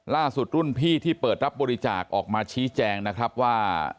รุ่นพี่ที่เปิดรับบริจาคออกมาชี้แจงนะครับว่า